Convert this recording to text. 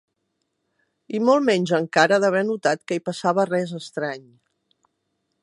I molt menys encara d'haver notat que hi passava res estrany.